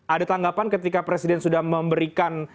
ada tanggapan ketika presiden sudah memberikan